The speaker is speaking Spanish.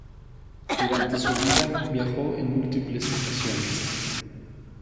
Durante su vida viajó en múltiples ocasiones.